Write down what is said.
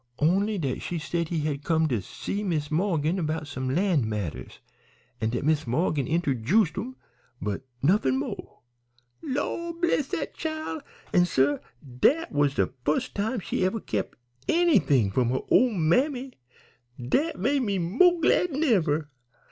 Only dat she said he had come to see Mis' Morgan 'bout some land matters, an' dat Mis' Morgan interjuced 'em, but nuffin mo'. Lord bless dat chile! An', suh, dat was de fust time she ever kep' anythin' from her ole mammy. Dat made me mo' glad 'n ever.